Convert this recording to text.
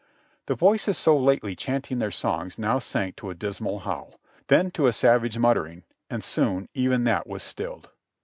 The voices so lately chanting their songs now sank to a dismal howl, then to a savage muttering, and soon even that was stilled.